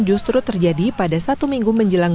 justru terjadi pada satu minggu menjelang